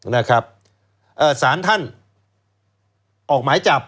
สารท่านออกหมายจับ